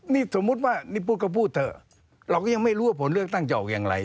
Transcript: นี่สมมุติว่านี่พูดก็พูดเถอะเราก็ยังไม่รู้ว่าผลเลือกตั้งจะออกอย่างไร